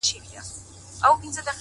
هر انسان د بدلون وړتیا لري،